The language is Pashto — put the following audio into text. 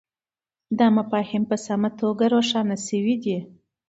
دا مفاهیم په سمه توګه روښانه سوي دي.